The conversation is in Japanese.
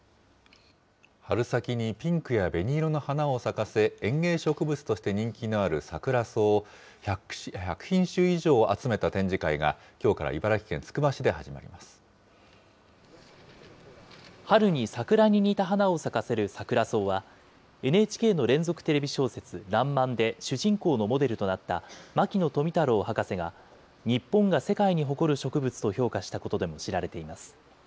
春先にピンクや紅色の花を咲かせ、園芸植物として人気のあるサクラソウを、１００品種以上集めた展示会がきょうから茨城県つくば市で始まり春に桜に似た花を咲かせるサクラソウは、ＮＨＫの連続テレビ小説、らんまんで、主人公のモデルとなった牧野富太郎博士が、日本が世界に誇る植物と評価したことでも知られています。